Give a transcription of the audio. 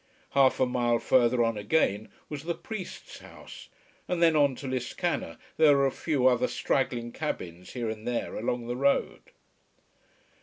Half a mile further on again was the priest's house, and then on to Liscannor there were a few other straggling cabins here and there along the road.